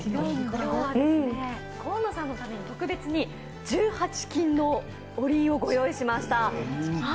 紺野さんのために特別に１８金のおりんをご用意しました。